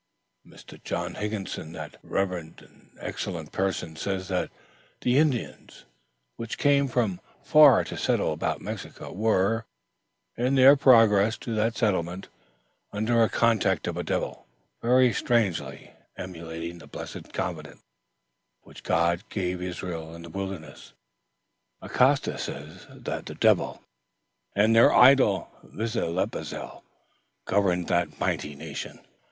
"] "Mr. John Higginson, that reverend and excellent person, says that the Indians, which came from far to settle about Mexico, were, in their progress to that settlement, under a conduct of a Devil, very strangely emulating the blessed covenant which God gave Israel in the wilderness. Acosta says that the Devil, in their idol Vitzlipultzli, governed that mighty nation.